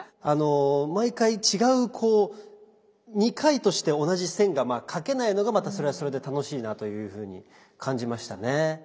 あの毎回違うこう２回として同じ線がまあ描けないのがまたそれはそれで楽しいなというふうに感じましたね。